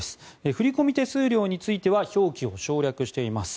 振込手数料については表記を省略しています。